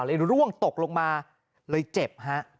ร่วงตกลงมาเลยเจ็บฮะ